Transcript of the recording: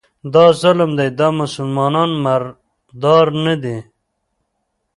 دا ظلم دی، دا مسلمانان مردار نه دي